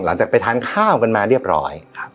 หลังจากไปทานข้าวกันมาเรียบร้อย